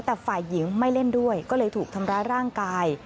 แต่ฝ่ายหญิงไม่เล่นด้วยก็เลยถูกทำร้ายร่างกาย